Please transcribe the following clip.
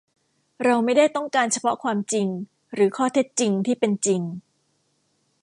เราไม่ได้ต้องการเฉพาะความจริง หรือข้อเท็จจริงที่เป็นจริง